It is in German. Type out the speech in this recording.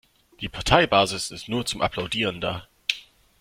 Die Parteibasis ist nur zum Applaudieren da.